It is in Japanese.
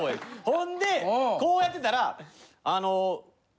ほんでこうやってたら。